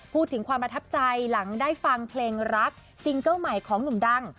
พูดถึงความประทับใจหลังได้ฟังเพลงรักซิงเกิ้ลใหม่ของหนุ่มดัง